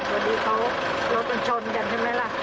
พอดีเขารถมันชนกันใช่ไหมล่ะ